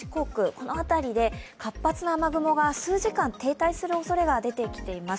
この辺りで活発な雨雲が数時間停滞するおそれが出てきています。